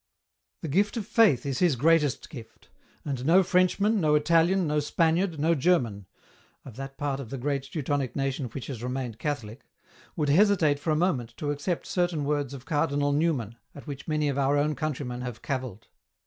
The gift of Faith is His greatest gift, and no Frenchman, no Italian, no Spaniard, no German — of that part of the great Teutonic nation which has remained Catholic — would hesitate for a moment to accept certain words of Cardinal Newman at which many of our own countrymen have cavilled.